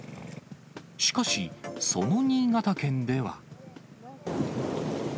しかし、その新潟県では。